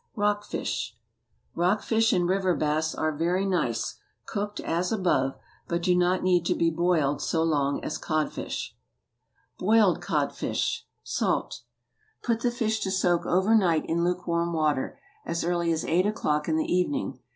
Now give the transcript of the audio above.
ROCK FISH. Rock fish and river bass are very nice, cooked as above, but do not need to be boiled so long as codfish. BOILED CODFISH. (Salt.) Put the fish to soak over night in lukewarm water—as early as eight o'clock in the evening.